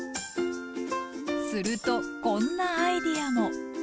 するとこんなアイデアも。